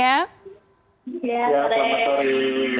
ya selamat sore